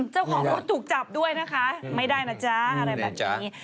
เจ้าของรถถูกจับด้วยนะคะไม่ได้นะจ๊ะอะไรแบบนี้